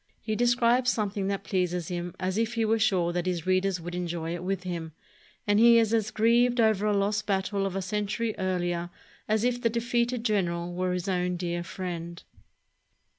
He describes something that pleases him as if he were sure that his readers would enjoy it with him; and he is as grieved over a lost battle of a century earHer as if the defeated general were his own dear friend.